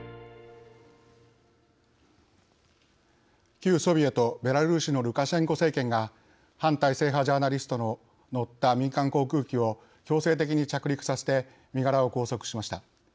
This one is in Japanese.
旧ソビエト・ベラルーシのルカシェンコ政権が反体制派ジャーナリストの乗った民間航空機を強制的に着陸させて身柄を拘束しました。